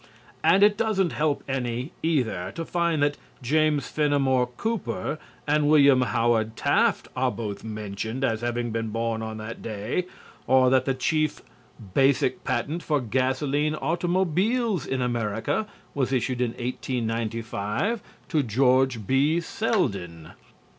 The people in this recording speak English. And it doesn't help any, either, to find that James Fenimore Cooper and William Howard Taft are both mentioned as having been born on that day or that the chief basic patent for gasoline automobiles in America was issued in 1895 to George B. Selden.